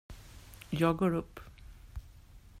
Jag går upp.